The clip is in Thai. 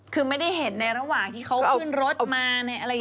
คือไม่ได้เห็นในระหว่างที่เขาขึ้นรถมาในอะไรอย่างนี้